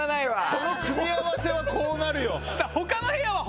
その組み合わせはこうなるよ。